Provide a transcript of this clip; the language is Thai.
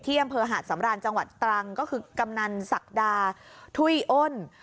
อำเภอหาดสำราญจังหวัดตรังก็คือกำนันศักดาถุ้ยอ้น